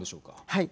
はい。